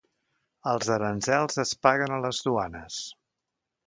Els aranzels es paguen a les duanes.